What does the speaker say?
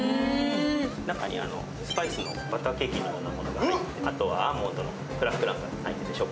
中にスパイスのバターケーキのが入って、あとはアーモンドのクラックランが入ってて。